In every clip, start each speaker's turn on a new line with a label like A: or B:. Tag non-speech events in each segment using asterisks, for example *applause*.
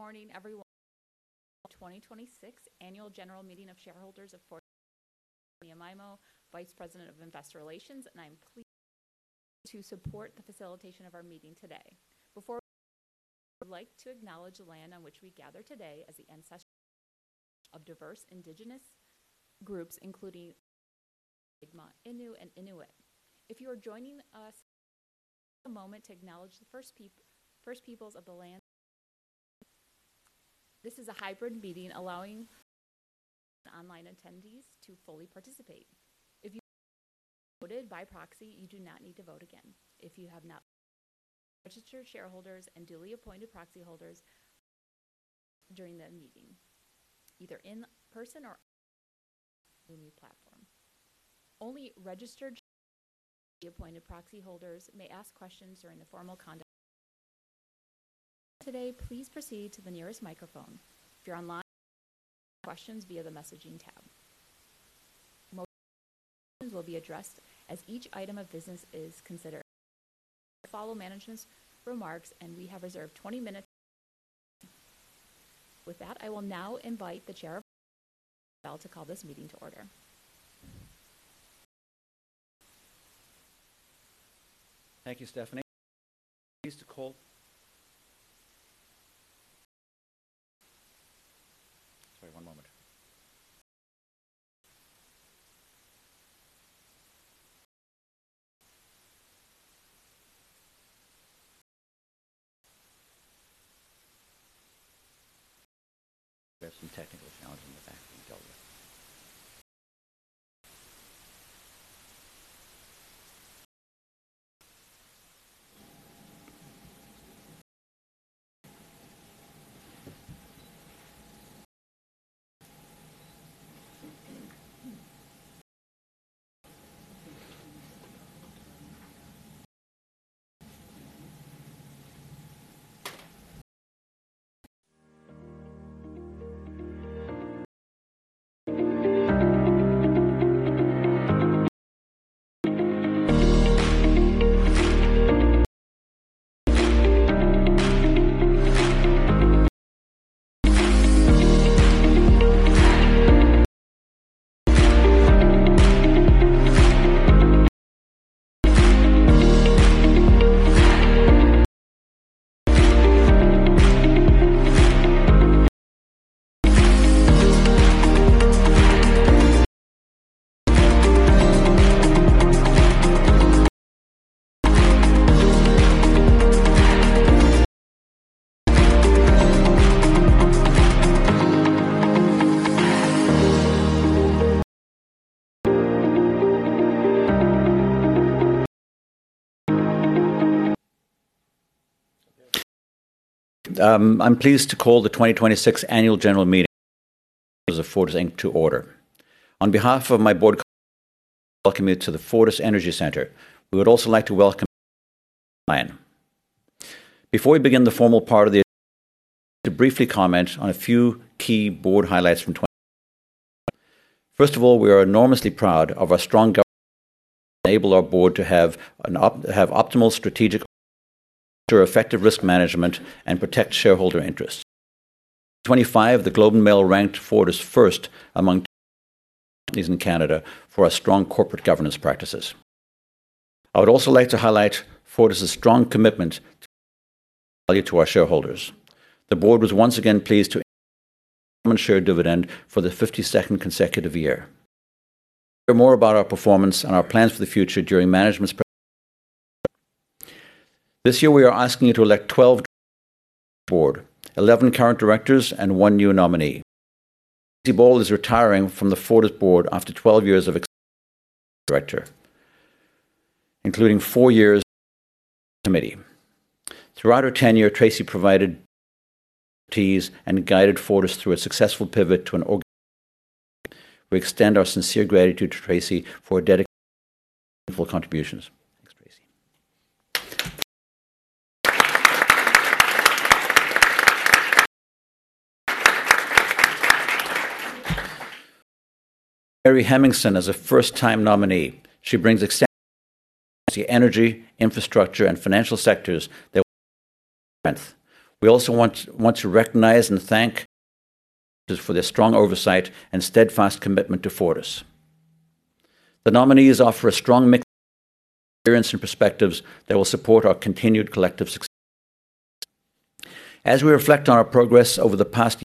A: Good morning, everyone. Welcome to the 2026 Annual General Meeting of Shareholders of Fortis Inc. My name is Stephanie Amaimo, Vice President of Investor Relations. I'm pleased to support the facilitation of our meeting today. Before we begin, I would like to acknowledge the land on which we gather today as the ancestral lands of diverse indigenous groups, including the Algonquin, Mi'kmaq, Innu, and Inuit. If you are joining us remotely, take a moment to acknowledge the First Peoples of the lands where you live. This is a hybrid meeting allowing in-person and online attendees to fully participate. If you have already voted by proxy, you do not need to vote again. If you have not voted, registered shareholders and duly appointed proxy holders will be able to vote during the meeting, either in person or online using the Zoom platform. Only registered shareholders and duly appointed proxy holders may ask questions during the formal conduct of the meeting. To ask a question today, please proceed to the nearest microphone. If you're online, you may submit questions via the messaging tab. Most questions will be addressed as each item of business is considered. Questions will follow management's remarks, and we have reserved 20 minutes for question and answer. With that, I will now invite the Chair of Fortis, Jo Mark Zurel, to call this meeting to order.
B: Thank you, Stephanie. Sorry, one moment. We have some technical challenges in the back being dealt with. I'm pleased to call the 2026 annual general meeting of shareholders of Fortis Inc. to order. On behalf of my board colleagues, I would like to welcome you to the Fortis Energy Center. We would also like to welcome you if you are joining online. Before we begin the formal part of the agenda, I would like to briefly comment on a few key board highlights from 2025. First of all, we are enormously proud of our strong governance practices that enable our board to have optimal strategic oversight, ensure effective risk management, and protect shareholder interests. In 2025, The Globe and Mail ranked Fortis first among Canadian utilities in Canada for our strong corporate governance practices. I would also like to highlight Fortis' strong commitment to returning value to our shareholders. The board was once again pleased to increase our common share dividend for the 52nd consecutive year. You will hear more about our performance and our plans for the future during management's presentation later. This year, we are asking you to elect 12 directors to our board, 11 current directors and one new nominee. Tracey Ball is retiring from the Fortis board after 12 years of exceptional service as a director, including 4 years as Chair of the Audit and Risk Committee. Throughout her tenure, Tracey provided bold leadership, expertise, and guided Fortis through a successful pivot to an organized utility. We extend our sincere gratitude to Tracey for her dedication and meaningful contributions. Thanks, Tracey. Mary Hemmingsen is a first-time nominee. She brings extensive experience in the energy, infrastructure, and financial sectors that will be a great strength. We also want to recognize and thank our current board directors for their strong oversight and steadfast commitment to Fortis. The nominees offer a strong mix of experience and perspectives that will support our continued collective success. As we reflect on our progress over the past year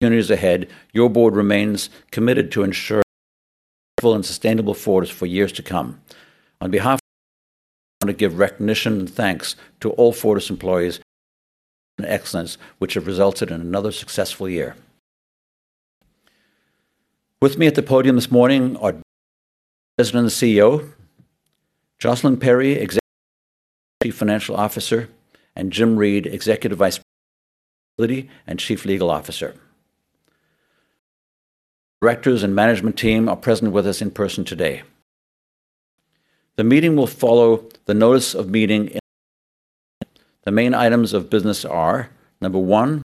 B: and the opportunities ahead, your board remains committed to ensuring a profitable and sustainable Fortis for years to come. On behalf of the board, I want to give recognition and thanks to all Fortis employees for their hard work and excellence, which have resulted in another successful year. With me at the podium this morning are David Hutchens, President and Chief Executive Officer; Jocelyn Perry, Executive Vice President and Chief Financial Officer; and Jim Reid, Executive Vice President, Sustainability, and Chief Legal Officer. Other directors and management team are present with us in person today. The meeting will follow the notice of meeting in effect. The main items of business are, number 1, financial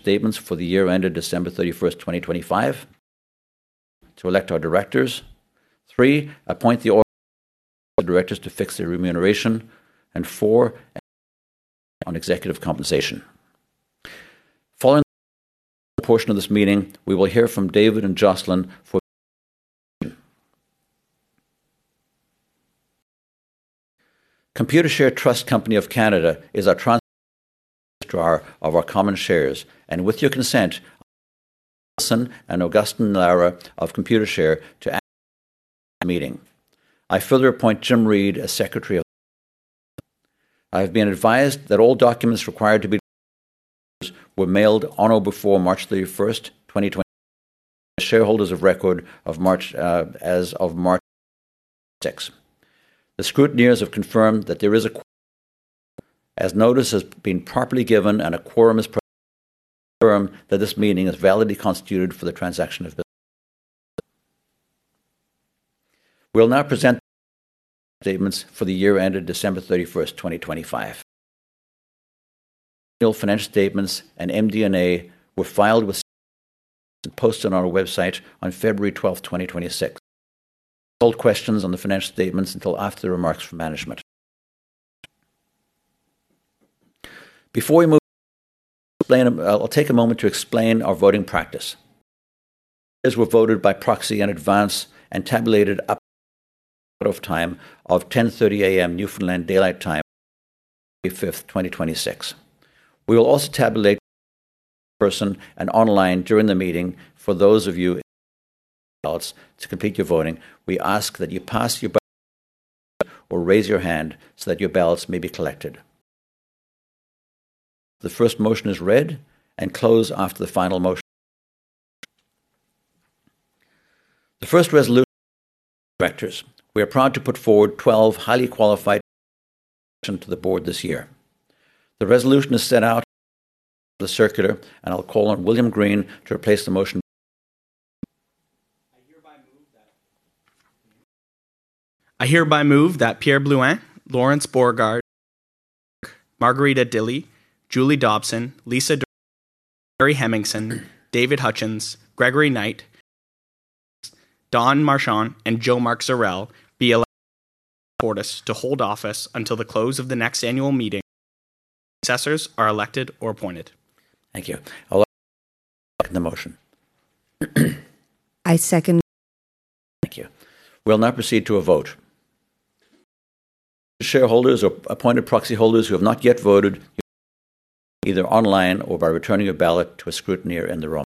B: statements for the year ended December 31st, 2025. To elect our directors. 3, appoint the directors to fix their remuneration. 4, advise on executive compensation. Following the formal portion of this meeting, we will hear from David and Jocelyn. Computershare Trust Company of Canada is our transfer agent for the registrar of our common shares. With your consent, I'll ask Allison and Augustine Lara of Computershare to act as scrutineers for this meeting. I further appoint Jim Reid as secretary of this meeting. I have been advised that all documents required to be distributed to shareholders were mailed on or before March 31st, 2026 to shareholders of record of March as of March 26. The scrutineers have confirmed that there is a quorum. As notice has been properly given and a quorum is present, I confirm that this meeting is validly constituted for the transaction of business. We'll now present the financial statements for the year ended December 31st, 2025. The annual financial statements and MD&A were filed with securities regulators and posted on our website on February 12th, 2026. We'll hold questions on the financial statements until after the remarks from management. Before we move to questions, I'll explain, I'll take a moment to explain our voting practice. Shares were voted by proxy in advance and tabulated up to the proxy cut-off time of 10:30 A.M. Newfoundland Daylight Time on April 25th, 2026. We will also tabulate votes in person and online during the meeting. For those of you in person with ballots, to complete your voting, we ask that you pass your ballot to a scrutineer or raise your hand so that your ballots may be collected. The first motion is read and closed after the final motion. The first resolution is to elect the directors. We are proud to put forward 12 highly qualified candidates for election to the board this year. The resolution is set out on Page 11 of the circular. I'll call on William Greene to replace the motion.
C: I hereby move that Pierre Blouin, Laurence Beauregard, Kevin Burke, Margarita Dilley, Julie Dobson, Lisa Durocher, Mary Hemmingsen, David Hutchens, Gregory Knight, Sarah Jones, Donald Marchand, and Jo Mark Zurel be elected directors of Fortis to hold office until the close of the next annual meeting or until their successors are elected or appointed.
B: Thank you. I'll ask *audio distortion* the motion.
D: I second. *audio distortion*
B: Thank you. We'll now proceed to a vote. Shareholders or appointed proxy holders who have not yet voted, you may do so now, either online or by returning your ballot to a scrutineer in the room.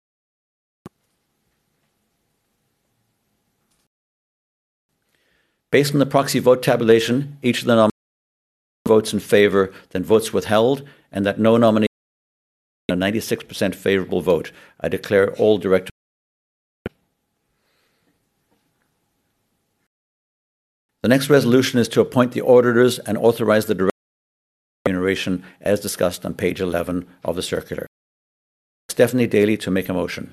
B: Based on the proxy vote tabulation, each of the nominees received more votes in favor than votes withheld, and that no nominee received less than a 96% favorable vote. I declare all directors elected. The next resolution is to appoint the auditors and authorize the directors to fix their remuneration, as discussed on Page 11 of the circular. I ask Stephanie Daley to make a motion.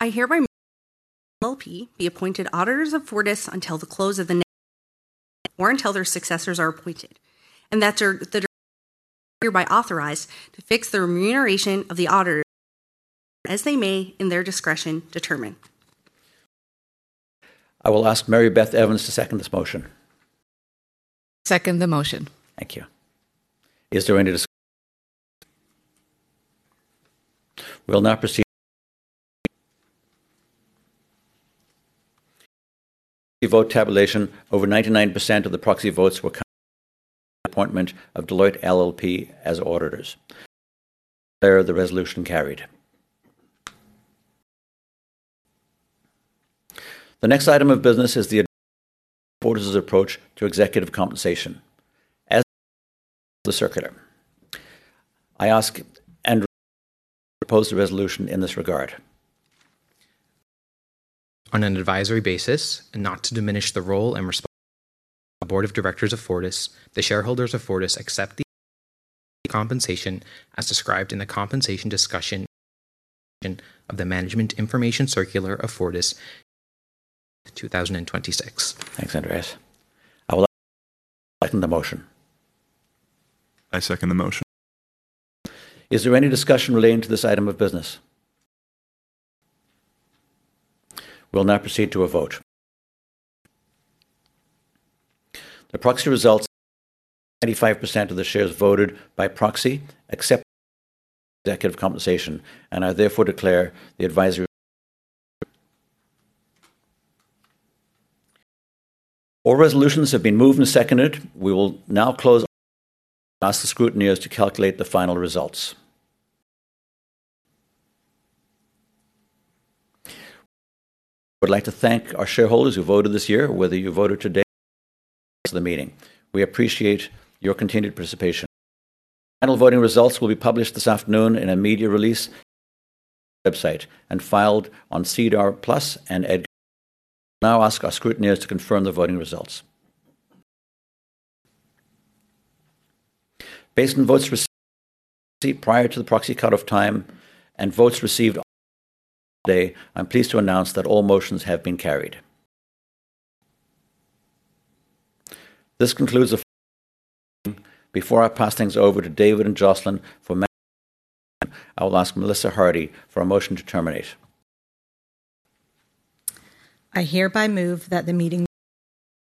E: I hereby move that Deloitte LLP be appointed auditors of Fortis until the close of the next annual meeting or until their successors are appointed, and that the directors are hereby authorized to fix the remuneration of the auditors as great or as they may, in their discretion, determine.
B: I will ask Mary Beth Evans to second this motion.
D: I second the motion.
B: Thank you. Is there any discussion? We'll now proceed to a vote. Based on the proxy vote tabulation, over 99% of the proxy votes were cast in favor of the appointment of Deloitte LLP as auditors. I declare the resolution carried. The next item of business is the advisory vote on Fortis' approach to executive compensation, as presented on Page 12 of the circular. I ask Andreas Kyriacou to propose the resolution in this regard.
F: On an advisory basis, and not to diminish the role and responsibilities of the board of directors of Fortis, the shareholders of Fortis accept the executive compensation as described in the compensation discussion and analysis section of the management information circular of Fortis dated April 15th, 2026.
B: Thanks, Andreas. I will ask Paul Broderick to second the motion.
G: I second the motion.
B: Is there any discussion relating to this item of business? We'll now proceed to a vote. The proxy results indicate that 95% of the shares voted by proxy accept the approach to executive compensation, and I therefore declare the advisory vote carried. All resolutions have been moved and seconded. We will now close our annual meeting and ask the scrutineers to calculate the final results. We would like to thank our shareholders who voted this year, whether you voted today or prior to the meeting. We appreciate your continued participation. Final voting results will be published this afternoon in a media release on our website and filed on SEDAR+ and EDGAR. I will now ask our scrutineers to confirm the voting results. Based on votes received by proxy prior to the proxy cut-off time and votes received at the meeting today, I'm pleased to announce that all motions have been carried. This concludes the first part of the meeting. Before I pass things over to David and Jocelyn for management's presentation, I will ask Melissa Hardy for a motion to terminate.
H: I hereby move that the meeting be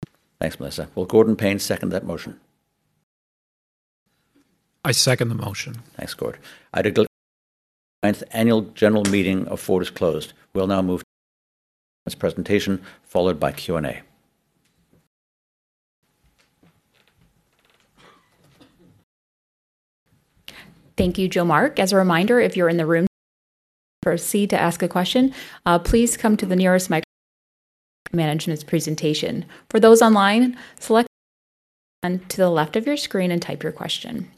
H: terminated.
B: Thanks, Melissa. Will Gordon Payne second that motion?
I: I second the motion.
B: Thanks, Gord. I declare the 49th annual general meeting of Fortis closed. We'll now move to management's presentation, followed by Q&A.
A: Thank you, Jo Mark. As a reminder, if you're in the room today and would like to proceed to ask a question, please come to the nearest microphone following management's presentation. For those online, select the Raise Hand button to the left of your screen and type your question.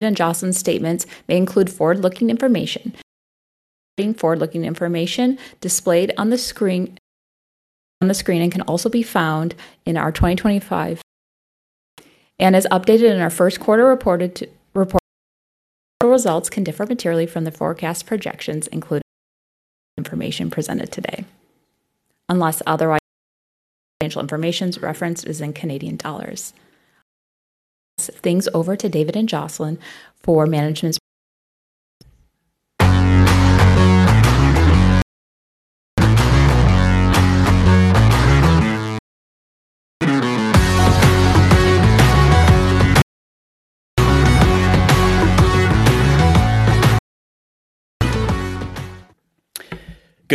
A: The statements made by David and Jocelyn may include forward-looking information. A summary of our forward-looking information displayed on the screen and can also be found in our 2025 annual report and as updated in our first quarter report to shareholders. Actual results can differ materially from the forecast projections included in the forward-looking information presented today. Unless otherwise noted, all financial information referenced is in Canadian dollars. I'll now pass things over to David and Jocelyn for management's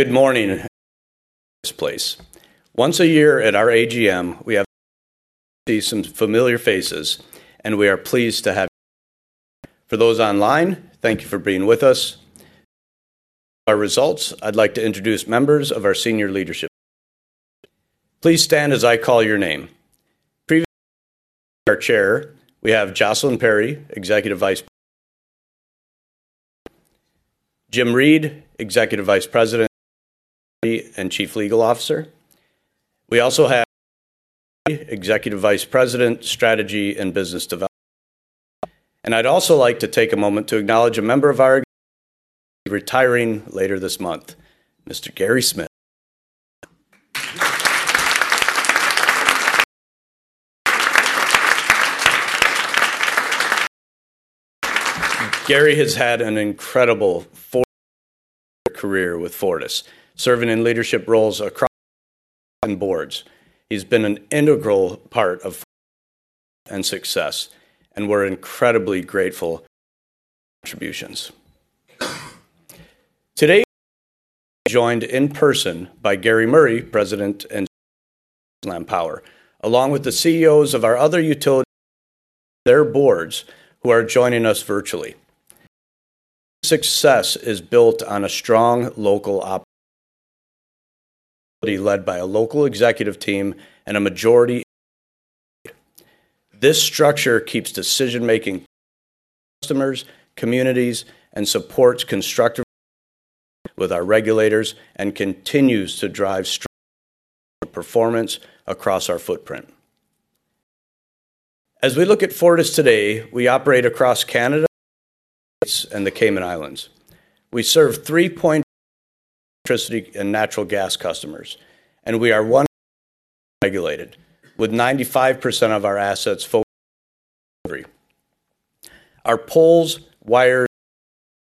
A: presentation.
J: Good morning, welcome to Fortis Place. Once a year at our AGM, we have the opportunity to see some familiar faces, and we are pleased to have you here. For those online, thank you for being with us. Before I turn to our results, I'd like to introduce members of our senior leadership team. Please stand as I call your name. Previously serving as our Chair, we have Jocelyn Perry, Executive Vice President. Jim Reid, Executive Vice President, Secretary, and Chief Legal Officer. We also have Stuart Lochray, Executive Vice President, Strategy and Business Development. I'd also like to take a moment to acknowledge a member of our team who will be retiring later this month, Mr. Gary Smith. Gary has had an incredible 44-year career with Fortis, serving in leadership roles across our company and boards. He's been an integral part of Fortis' growth and success, and we're incredibly grateful for his contributions. Today, we're also joined in person by Gary Murray, President and CEO of Newfoundland Power, along with the CEOs of our other utilities and their boards who are joining us virtually. Each of our utilities' success is built on a strong local operating model led by a local executive team and a majority independent board. This structure keeps decision-making close to our customers, communities, and supports constructive engagement with our regulators and continues to drive strong financial performance across our footprint. As we look at Fortis today, we operate across Canada, the United States, and the Cayman Islands. We serve 3.8 million electricity and natural gas customers, and we are 100% regulated, with 95% of our assets focused on the delivery of energy. Our poles, wires,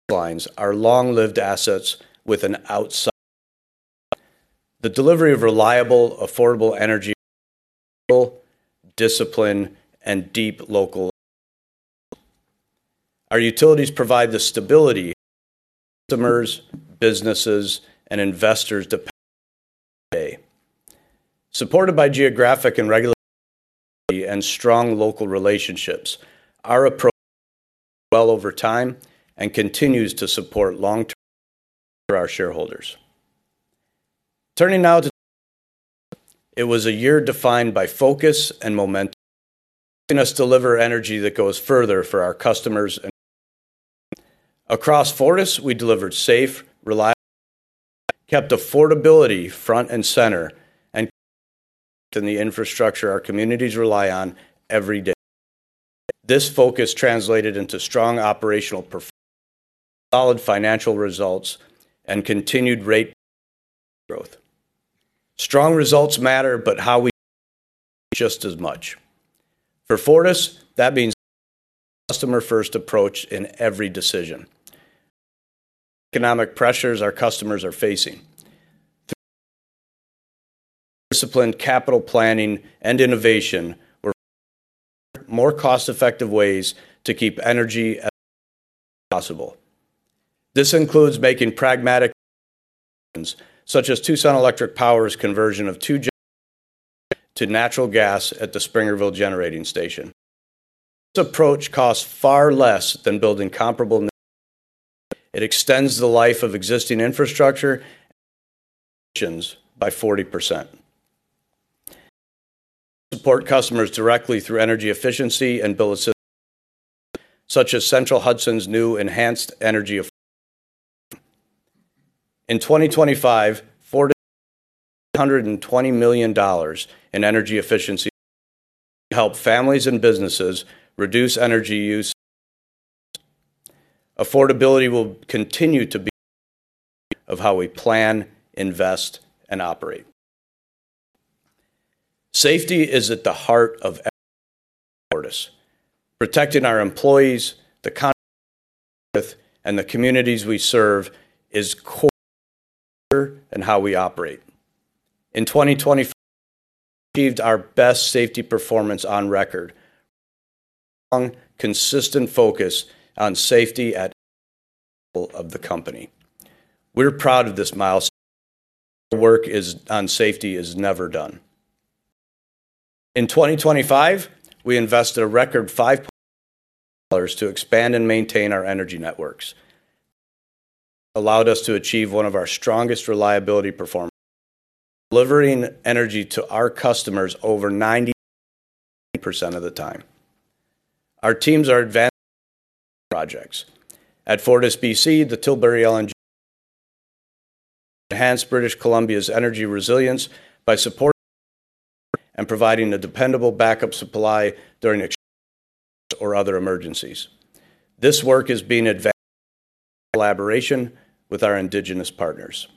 J: and pipelines are long-lived assets with an outstanding safety record. The delivery of reliable, affordable energy requires capital discipline and deep local expertise. Our utilities provide the stability our customers, businesses, and investors depend on every day. Supported by geographic and regulatory diversity and strong local relationships, our approach has performed well over time and continues to support long-term value for our shareholders. Turning now to 2025, it was a year defined by focus and momentum, helping us deliver energy that goes further for our customers and communities. Across Fortis, we delivered safe, reliable energy, kept affordability front and center, and continued to invest in the infrastructure our communities rely on every day. This focus translated into strong operational performance, solid financial results, and continued ratepayer-approved growth. Strong results matter, but how we get there matters just as much. For Fortis, that means maintaining a customer-first approach in every decision. We remain mindful of the economic pressures our customers are facing. Through careful capital discipline, capital planning, and innovation, we're finding smarter, more cost-effective ways to keep energy as affordable as possible. This includes making pragmatic infrastructure decisions such as Tucson Electric Power's conversion of two generators from oil to natural gas at the Springerville Generating Station. This approach costs far less than building comparable new plants. It extends the life of existing infrastructure and reduces carbon emissions by 40%. We also support customers directly through energy efficiency and bill assistance programs such as Central Hudson's new Enhanced Energy Affordability Program. In 2025, Fortis invested over 320 million dollars in energy efficiency programs to help families and businesses reduce energy use. Affordability will continue to be at the heart of how we plan, invest, and operate. Safety is at the heart of everything we do at Fortis. Protecting our employees, the contractors we work with, and the communities we serve is core to our culture and how we operate. In 2025, we achieved our best safety performance on record with a strong, consistent focus on safety at every level of the company. We're proud of this milestone. Our work on safety is never done. In 2025, we invested a record 5.4 billion dollars to expand and maintain our energy networks. This allowed us to achieve one of our strongest reliability performances, delivering energy to our customers over 99.9% of the time. Our teams are advancing key projects. At FortisBC, the Tilbury LNG facility will enhance British Columbia's energy resilience by supporting electrification and providing a dependable backup supply during extreme weather events or other emergencies. This work is being advanced in close collaboration with our Indigenous partners.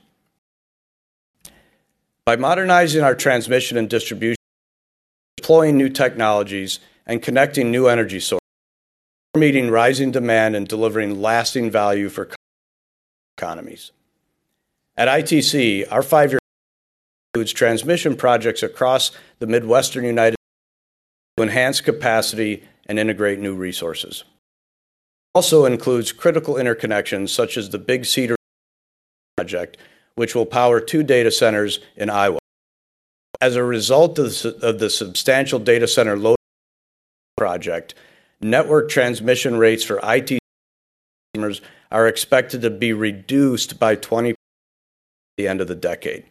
J: By modernizing our transmission and distribution systems, deploying new technologies, and connecting new energy sources, we're meeting rising demand and delivering lasting value for customers and economies. At ITC, our five-year plan includes transmission projects across the Midwestern U.S. to enhance capacity and integrate new resources. It also includes critical interconnections, such as the Big Cedar Energy Project, which will power two data centers in Iowa. As a result of the substantial data center load from this project, network transmission rates for ITC customers are expected to be reduced by 20% by the end of the decade.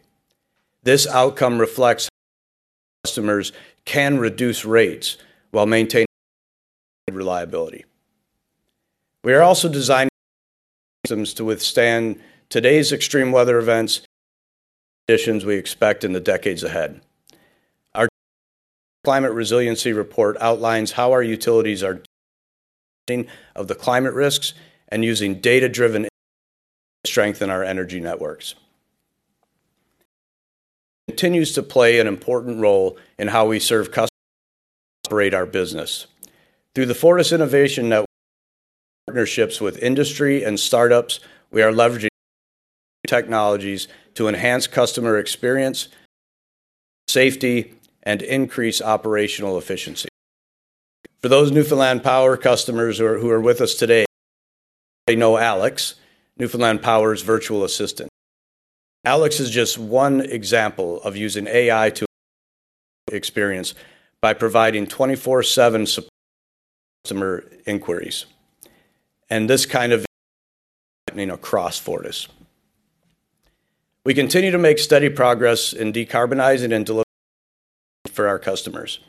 J: This outcome reflects how ITC customers can reduce rates while maintaining reliability. We are also designing our energy systems to withstand today's extreme weather events and the changing conditions we expect in the decades ahead. Our just released Climate Resiliency Report outlines how our utilities are taking account of the climate risks and using data-driven insights to strengthen our energy networks. Technology continues to play an important role in how we serve customers and operate our business. Through the Fortis Innovation Network and our partnerships with industry and startups, we are leveraging new technologies to enhance customer experience, improve safety, and increase operational efficiency. For those Newfoundland Power customers who are with us today, you may know Alex, Newfoundland Power's virtual assistant. Alex is just one example of using AI to enhance the customer experience by providing 24/7 support for customer inquiries. This kind of innovation is happening across Fortis. We continue to make steady progress in decarbonizing and delivering choice for our customers.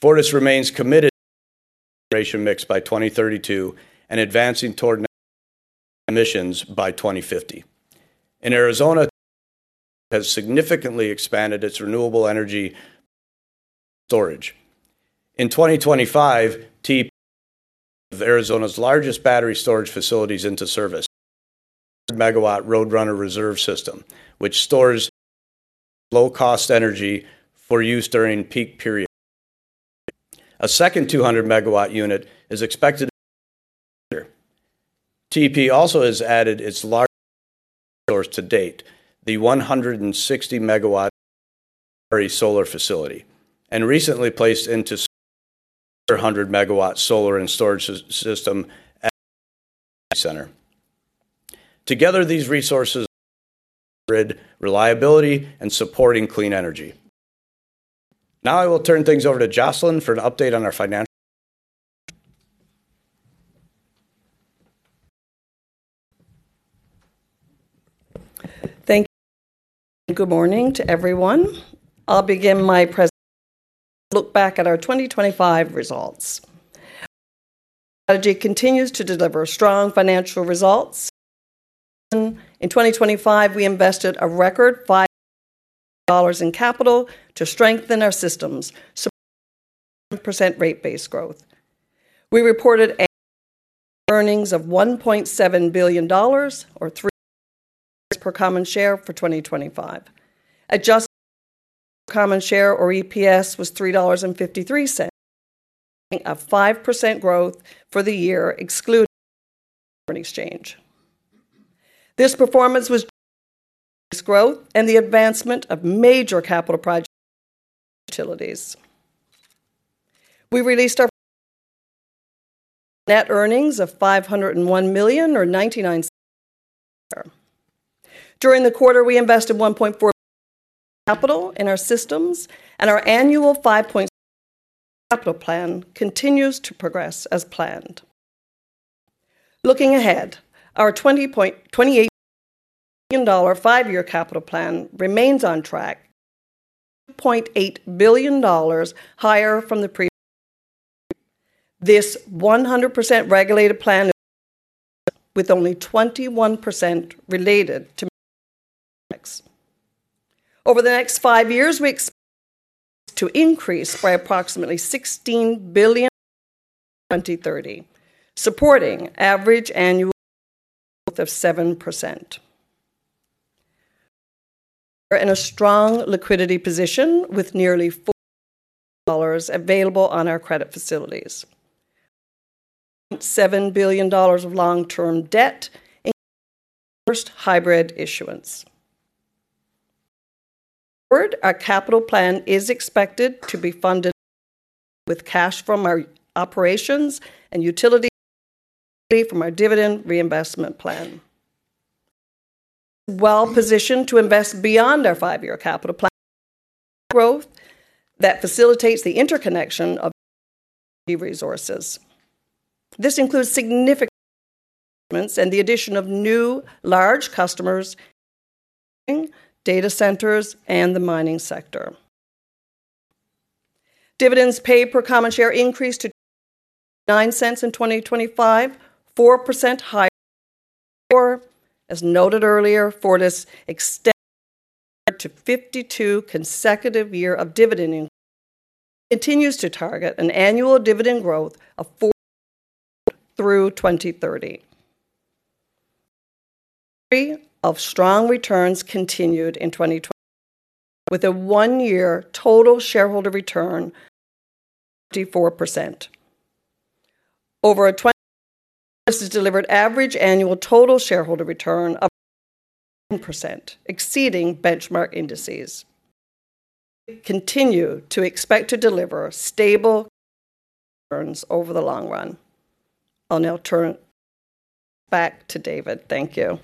J: Fortis remains committed to decarbonizing our generation mix by 2032 and advancing toward net-zero emissions by 2050. In Arizona, TEP has significantly expanded its renewable energy capacity and storage. In 2025, TEP put two of Arizona's largest battery storage facilities into service. The 200 MW Roadrunner Reserve system, which stores clean, low-cost energy for use during peak periods. A second 200 MW unit is expected to be completed later. TEP also has added its largest solar resource to date, the 160 MW Maricopa Solar Facility, and recently placed into service a 400 MW solar and storage system at the Big Cedar Energy Center. Together, these resources are enhancing grid reliability and supporting clean energy. I will turn things over to Jocelyn for an update on our financial results.
K: Thank you, David. Good morning to everyone. I'll begin my presentation with a look back at our 2025 results. Our growth strategy continues to deliver strong financial results and momentum. In 2025, we invested a record 5.4 billion dollars in capital to strengthen our systems, supporting 11% rate base growth. We reported annual net earnings of 1.7 billion dollars or 3.82 per common share for 2025. Adjusted earnings per common share or EPS was 3.53 dollars, representing a 5% growth for the year excluding foreign exchange. This performance was driven by rate base growth and the advancement of major capital projects at our utilities. We released our first quarter financial results with net earnings of 501 million or 0.99 per share. During the quarter, we invested 1.4 billion in capital in our systems, and our annual 5.6 billion capital plan continues to progress as planned. Looking ahead, our 28 billion dollar five-year capital plan remains on track and is 2.8 billion dollars higher from the previous multi-year. This 100% regulated plan is diverse, with only 21% related to. Over the next five years, we expect to increase by approximately 16 billion by 2030, supporting average annual growth of 7%. We're in a strong liquidity position with nearly 4 billion dollars available on our credit facilities, 7 billion dollars of long-term debt, including our first hybrid issuance. Forward, our capital plan is expected to be funded with cash from our operations and utility from our Dividend Reinvestment Plan. Well-positioned to invest beyond our five-year capital plan growth that facilitates the interconnection of resources. This includes significant and the addition of new large customers, data centers, and the mining sector. Dividends paid per common share increased to 0.09 in 2025, 4% higher. As noted earlier, Fortis extended to 52 consecutive year of dividend, continues to target an annual dividend growth of 4% through 2030. Of strong returns continued in 2025 with a 1-year total shareholder return of 44%. Over a 20, this has delivered average annual total shareholder return of percent, exceeding benchmark indices. Continue to expect to deliver stable returns over the long run. I will now turn back to David. Thank you.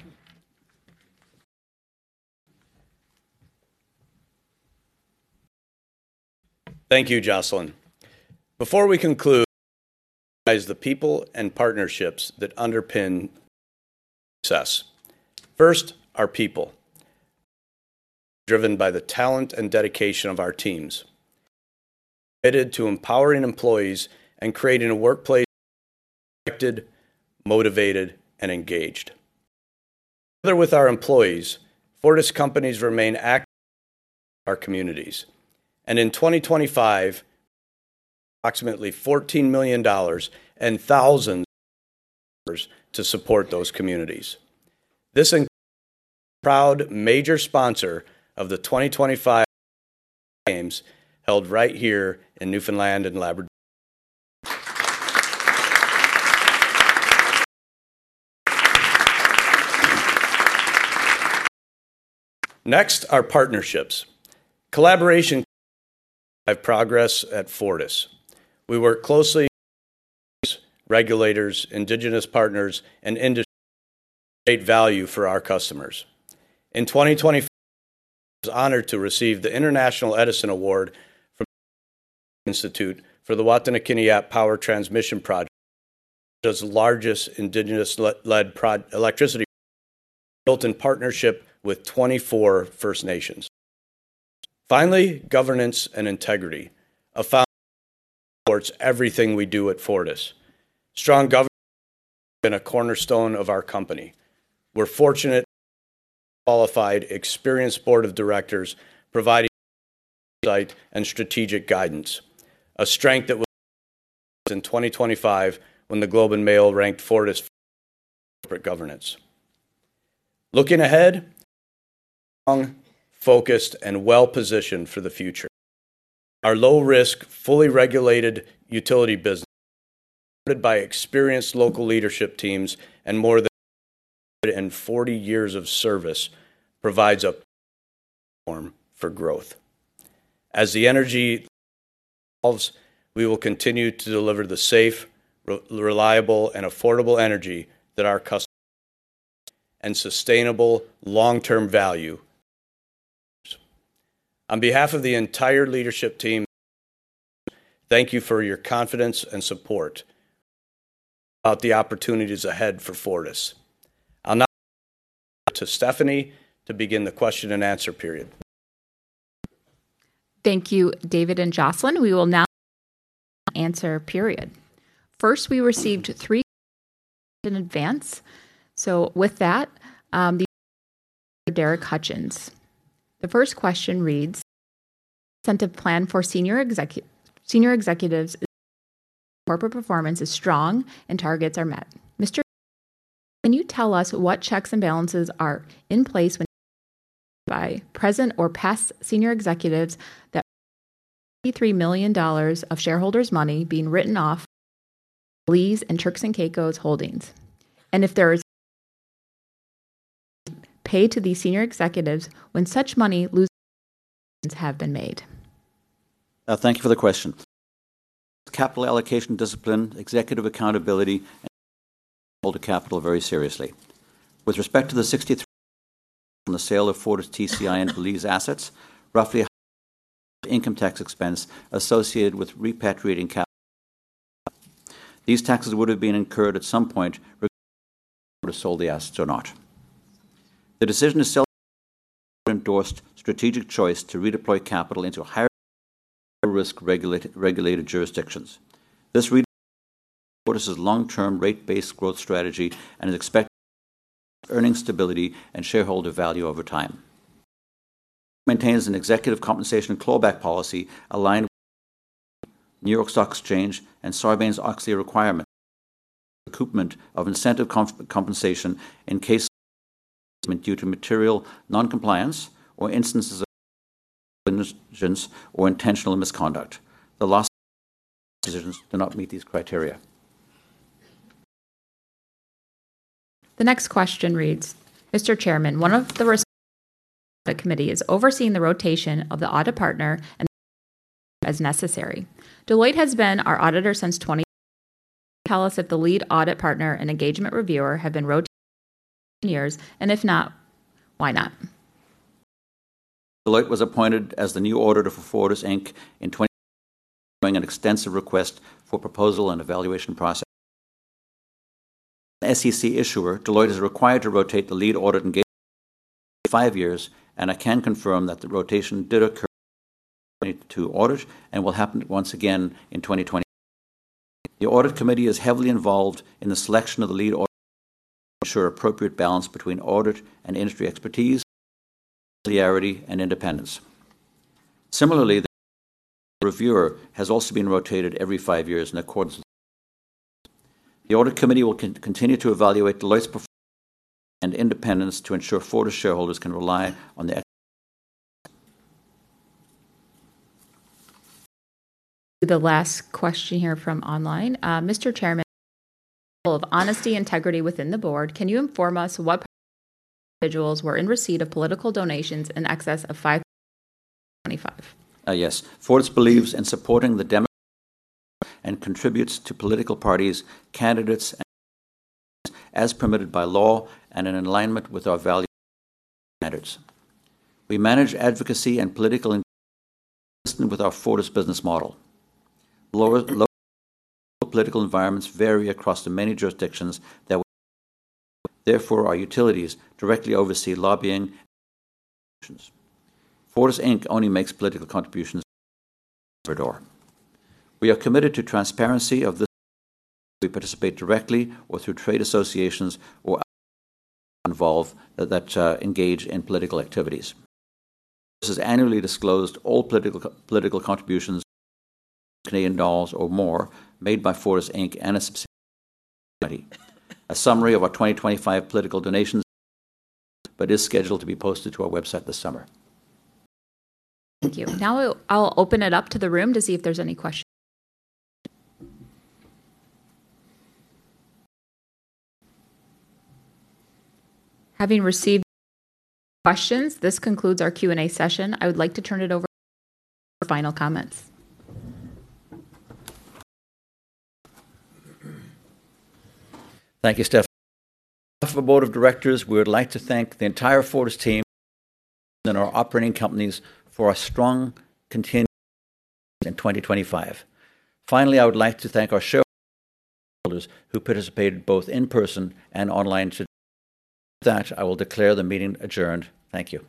J: Thank you, Jocelyn. Before we conclude, the people and partnerships that underpin success. First, our people, driven by the talent and dedication of our teams. Committed to empowering employees and creating a workplace motivated, and engaged. Together with our employees, Fortis companies remain active our communities. In 2025, approximately 14 million dollars and thousands to support those communities. This proud major sponsor of the 2025 games held right here in Newfoundland and Labrador. Next, our partnerships. Collaboration progress at Fortis. We work closely regulators, indigenous partners, and industry value for our customers. In 2025, honored to receive the International Edison Award from Institute for the Wataynikaneyap Power Transmission Project, which is largest indigenous led electricity built in partnership with 24 First Nations. Finally, governance and integrity. A found everything we do at Fortis. Strong governance been a cornerstone of our company. We're fortunate, qualified, experienced board of directors providing insight and strategic guidance. A strength that was in 2025 when The Globe and Mail ranked Fortis corporate governance. Looking ahead, focused and well-positioned for the future. Our low-risk, fully regulated utility business by experienced local leadership teams and more than 40 years of service provides a form for growth. As the energy evolves, we will continue to deliver the safe, reliable, and affordable energy that our customers and sustainable long-term value. On behalf of the entire leadership team, thank you for your confidence and support. About the opportunities ahead for Fortis. I'll now to Stephanie to begin the question and answer period.
A: Thank you, David and Jocelyn. We will now answer period. First, we received three in advance. With that, Derek Hutchins. The first question reads, incentive plan for senior executives corporate performance is strong and targets are met. Mr. Can you tell us what checks and balances are in place when by present or past senior executives that 33 million dollars of shareholders money being written off and Turks and Caicos holdings? If there is paid to these senior executives when such money losses have been made.
J: Thank you for the question. Capital allocation discipline, executive accountability, and holder capital very seriously. With respect to the 63 on the sale of FortisTCI Ltd. and Belize assets, roughly income tax expense associated with repatriating capital. These taxes would have been incurred at some point sold the assets or not. The decision to sell endorsed strategic choice to redeploy capital into higher risk regulated jurisdictions. This redeploys Fortis' long-term rate-based growth strategy and is expected to deliver earnings stability and shareholder value over time. Fortis maintains an executive compensation claw-back policy aligned with New York Stock Exchange and Sarbanes-Oxley requirements for the recoupment of incentive compensation in cases of mismanagement due to material non-compliance or instances of gross negligence or intentional misconduct. The last two compensation decisions do not meet these criteria.
A: The next question reads: Mr. Chairman, one of the responsibilities of the Audit Committee is overseeing the rotation of the audit partner and engagement reviewer as necessary. Deloitte has been our auditor since 2010. Can you tell us if the lead audit partner and engagement reviewer have been rotated in the last 15 years? If not, why not?
B: Deloitte was appointed as the new auditor for Fortis Inc. in 2010 following an extensive request for proposal and evaluation process. As an SEC issuer, Deloitte is required to rotate the lead audit engagement partner every five years, and I can confirm that the rotation did occur for the 2022 audit and will happen once again in 2025. The Audit Committee is heavily involved in the selection of the lead auditor to ensure appropriate balance between audit and industry expertise, familiarity, and independence. Similarly, the engagement reviewer has also been rotated every five years in accordance with policy. The Audit Committee will continue to evaluate Deloitte's performance and independence to ensure Fortis shareholders can rely on their expertise.
A: The last question here from online. Mr. Chairman, as a symbol of honesty and integrity within the board, can you inform us what percentage of individuals were in receipt of political donations in excess of 5,000 in 2025?
B: Yes. Fortis believes in supporting the democratic process and contributes to political parties, candidates, and referendums as permitted by law and in alignment with our values and governance standards. We manage advocacy and political engagement consistent with our Fortis business model. Local political environments vary across the many jurisdictions that we operate in. Therefore, our utilities directly oversee lobbying and political contributions. Fortis Inc. only makes political contributions through Fortis Centerdor. We are committed to transparency of this process whether we participate directly or through trade associations or other affiliates that engage in political activities. Fortis has annually disclosed all political contributions of CAD 10,000 or more made by Fortis Inc. and its subsidiaries since 2020. A summary of our 2025 political donations has not yet been posted, but is scheduled to be posted to our website this summer.
A: Thank you. I'll open it up to the room to see if there's any questions. Having received no further questions, this concludes our Q&A session. I would like to turn it over to Mr. Chairman for final comments.
B: Thank you, Stephanie. On behalf of the board of directors, we would like to thank the entire Fortis team and our operating companies for a strong continued performance in 2025. Finally, I would like to thank our shareholders who participated both in person and online today. With that, I will declare the meeting adjourned. Thank you.